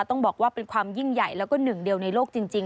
ต้องบอกว่าเป็นความยิ่งใหญ่แล้วก็หนึ่งเดียวในโลกจริง